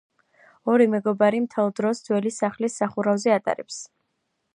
ორი მეგობარი მთელ დროს ძველი სახლის სახურავზე ატარებს.